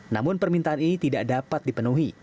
namun permintaan ini tidak dapat dipenuhi